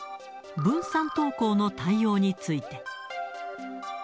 分散登校の対応について。